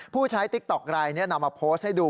ผู้ใช้ติ๊กต๊อกไลน์นี้นำมาโพสต์ให้ดู